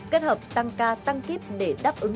kết hợp tăng ca tăng kiếp để đáp ứng